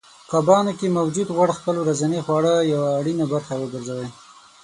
کبانو کې موجود غوړ خپل ورځنۍ خواړه یوه اړینه برخه وګرځوئ